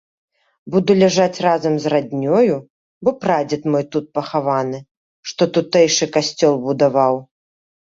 Буду ляжаць разам з раднёю, бо прадзед мой тут пахаваны, што тутэйшы касцёл будаваў.